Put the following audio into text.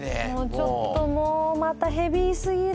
ちょっともうまたヘビー過ぎる。